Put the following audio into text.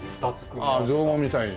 ああ造語みたいに。